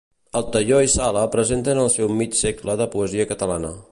Altaió i Sala presenten el seu Mig segle de poesia catalana.